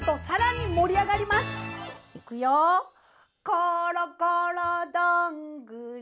「ころころどんぐり」